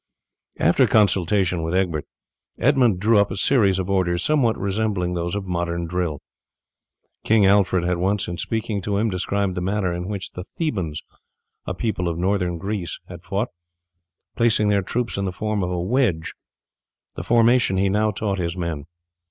After consultation with Egbert, Edmund drew up a series of orders somewhat resembling those of modern drill. King Alfred had once, in speaking to him, described the manner in which the Thebans, a people of Northern Greece, had fought, placing their troops in the form of a wedge. The formation he now taught his men.